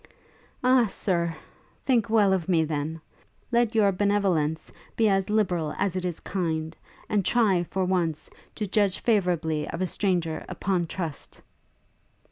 'Ah, Sir! think well of me, then! let your benevolence be as liberal as it is kind, and try, for once, to judge favourably of a stranger upon trust!'